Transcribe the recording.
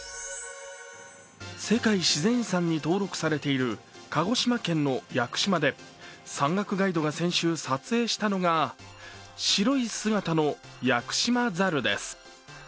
世界自然遺産に登録されている鹿児島県の屋久島で、山岳ガイドが先週、撮影したのが白い姿のヤクシマザルです。